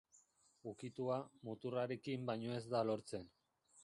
Ukitua, muturrarekin baino ez da lortzen.